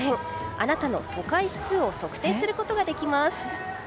あなたの都会指数を測定することができます。